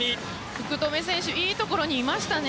福留選手いいところにいましたね。